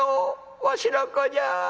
わしの子じゃ」。